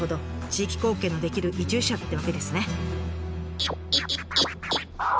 地域貢献のできる移住者ってわけですね。